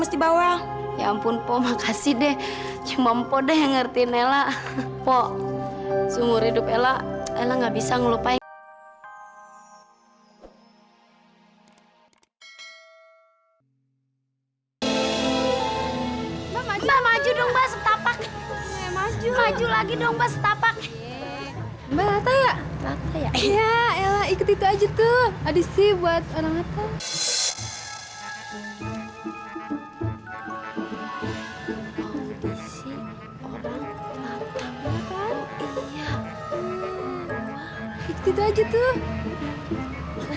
sampai jumpa di video selanjutnya